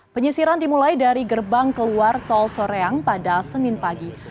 penyisiran dimulai dari gerbang keluar tol soreang pada senin pagi